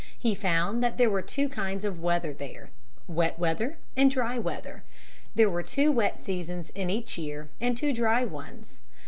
He found that there were two kinds of weather there, wet weather and dry weather. There were two wet seasons in each year and two dry ones.